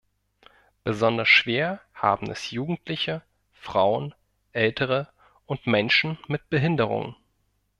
Besonders schwer haben es Jugendliche, Frauen, Ältere und Menschen mit Behinderungen.